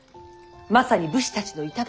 まさに武士たちの頂。